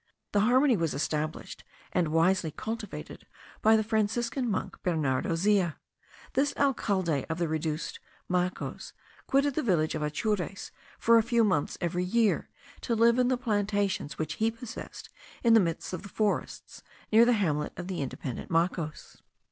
The harmony was established and wisely cultivated by the Franciscan monk, Bernardo Zea. This alcalde of the reduced Macos quitted the village of Atures for a few months every year, to live in the plantations which he possessed in the midst of the forests near the hamlet of the independent Macos.